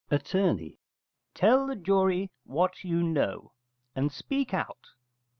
Att. Tell the jury what you know, and speak out.